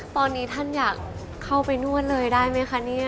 ตอนนี้ท่านอยากเข้าไปนวดเลยได้ไหมคะเนี่ย